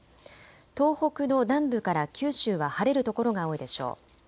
東北の南部から九州は晴れる所が多いでしょう。